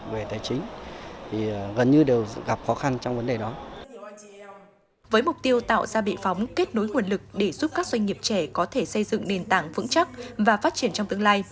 với mục tiêu tạo ra bị phóng kết nối nguồn lực để giúp các doanh nghiệp trẻ có thể xây dựng nền tảng vững chắc và phát triển trong tương lai